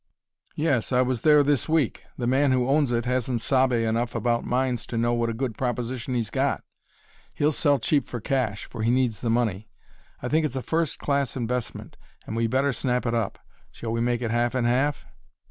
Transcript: "Yes; I was there this week. The man who owns it hasn't sabe enough about mines to know what a good proposition he's got. He'll sell cheap for cash, for he needs the money. I think it's a first class investment, and we'd better snap it up. Shall we make it half and half?"